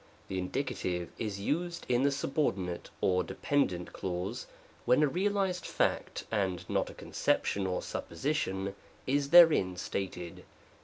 The Indie, is used in the subordinate or depend ent clause when a realized fact, and not a conception or supposition, is therein stated.